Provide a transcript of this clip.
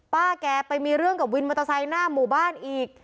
แกไปมีเรื่องกับวินมอเตอร์ไซค์หน้าหมู่บ้านอีก